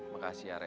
makasih ya rek